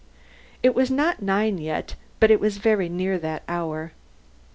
It was not nine yet, but it was very near that hour.